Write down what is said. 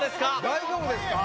大丈夫ですか？